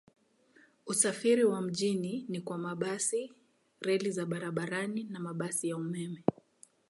Usafiri wa mjini ni kwa mabasi, reli za barabarani na mabasi ya umeme.